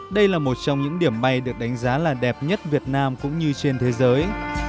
đây là một trong những điểm bay được đánh giá là đẹp nhất việt nam cũng như trên thế giới